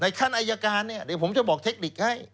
ขั้นอายการเนี่ยเดี๋ยวผมจะบอกเทคนิคให้